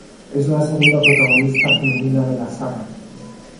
Es la segunda protagonista femenina de la saga.